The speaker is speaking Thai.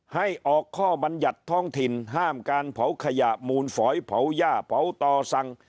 ให้ออกข้อบรรยัติท้องถิ่นห้ามการเผาขยะมูลฝอยเผาย่าเผาต่อสั่ง